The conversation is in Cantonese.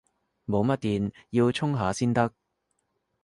冇乜電，要充下先得